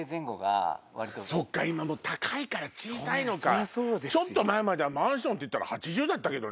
そっか今高いから小さいのかちょっと前まではマンションっていったら８０だったけどね。